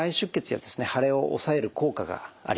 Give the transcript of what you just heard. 腫れをおさえる効果があります。